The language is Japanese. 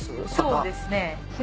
そうですね。